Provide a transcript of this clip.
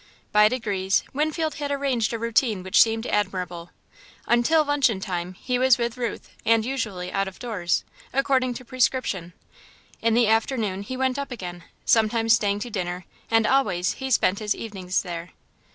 By degrees, Winfield had arranged a routine which seemed admirable. Until luncheon time, he was with Ruth and, usually, out of doors, according to prescription. In the afternoon, he went up again, sometimes staying to dinner, and, always, he spent his evenings there.